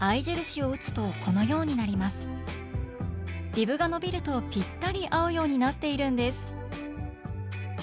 リブが伸びるとぴったり合うようになっているんです